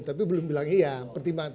tapi belum bilang iya pertimbangan